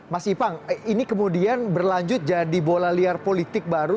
mas ipang ini kemudian berlanjut jadi bola liar politik baru